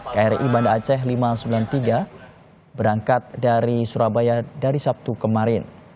kri banda aceh lima ratus sembilan puluh tiga berangkat dari surabaya dari sabtu kemarin